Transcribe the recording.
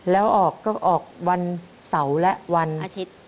แล้วออกก็ออกวันเสาร์และวันอาทิตย์